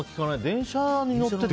電車に乗ってて？